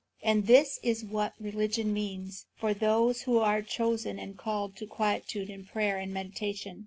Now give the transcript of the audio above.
And this is what religion means for those who are chosen and called to quietude and prayer and meditation.